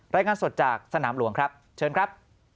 รายงานสดจากสนามหลวงครับเชิญครับ